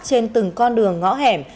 trên từng con đường ngõ hẻm